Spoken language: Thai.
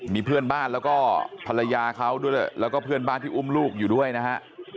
มีเพื่อนบ้านแล้วก็ภรรยาเขาด้วยแล้วก็เพื่อนบ้านที่อุ้มลูกอยู่ด้วยนะฮะ